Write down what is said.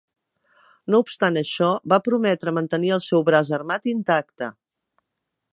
No obstant això, va prometre mantenir el seu braç armat intacte.